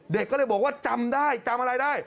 เด็กก็เลยบอกว่าจำได้จำอะไรได้